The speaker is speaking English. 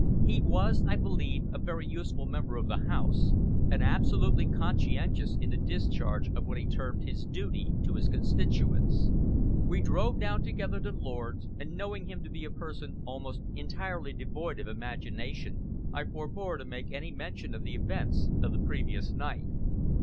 He was, I believe, a very useful member of the House, and absolutely conscientious in the discharge of what he termed his duty to his constituents. We drove down together to Lord's, and knowing him to be a person almost entirely devoid of imagination, I forbore to make any mention of the events of the previous night.